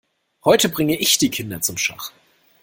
Heute bringe ich die Kinder zum Schach.